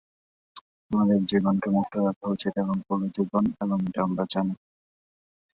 আমাদের জীবনকে মুক্ত রাখা উচিত এবং পুরো জীবন এবং এটা আমরা জানি।